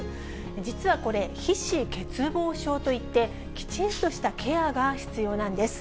実はこれ、皮脂欠乏症といって、きちんとしたケアが必要なんです。